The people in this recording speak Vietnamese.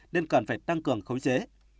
nên cần phải tăng cường khống chế